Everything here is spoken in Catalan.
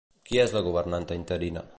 Qui és la governanta interina?